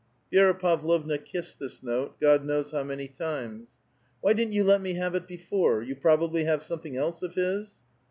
Vi^ra Pavlovna kissed this note, God knows how many times. " Why didn't you let me have it before. You probably have something else of his